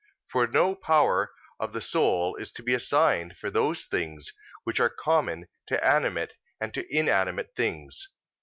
For no power of the soul is to be assigned for those things which are common to animate and to inanimate things.